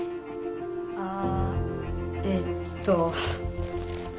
あえっと。